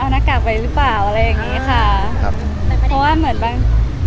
เหมือนเพิ่ง